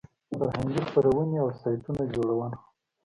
فرهنګي خپرونې او سایټونه جوړول.